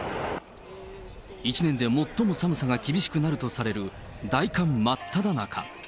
一年で最も寒さが厳しくなるとされる大寒真っただ中。